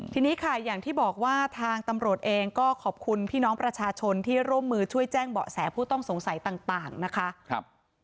ทีนี้ค่ะอย่างที่บอกว่าทางตำรวจเองก็ขอบคุณพี่น้องประชาชนที่ร่วมมือช่วยแจ้งเบาะแสผู้ต้องสงสัยต่างนะคะ